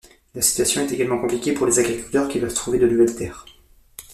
La situation est également compliquée pour les agriculteurs qui doivent trouver de nouvelles terres.